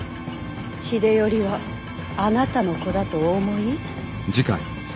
秀頼はあなたの子だとお思い？